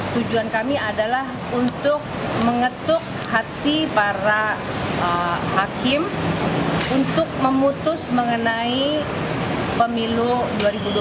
tujuan kami adalah untuk mengetuk hati para hakim untuk memutus mengenai pemilu